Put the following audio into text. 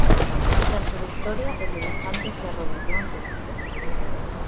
Tras su victoria, el elefante se arrodilló ante Tito.